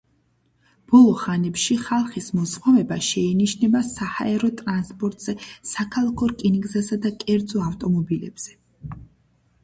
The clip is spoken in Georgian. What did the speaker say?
ბოლო ხანებში ხალხის მოზღვავება შეინიშნება საჰაერო ტრანსპორტზე, საქალაქო რკინიგზასა და კერძო ავტომობილებზე.